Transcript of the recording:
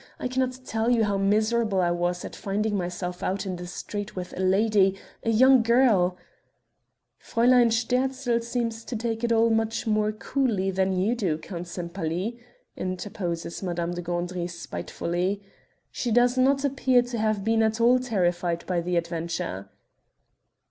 I cannot tell you how miserable I was at finding myself out in the street with a lady a young girl...." "Fräulein Sterzl seems to take it all much more coolly than you do. Count Sempaly," interposes Madame de Gandry spitefully; "she does not appear to have been at all terrified by the adventure."